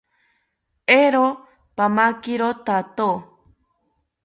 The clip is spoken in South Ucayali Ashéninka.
Eero, pamakiro thato